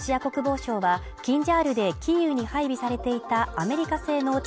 一方、ロシア国防省はキンジャールでキーウに配備されていたアメリカ製の地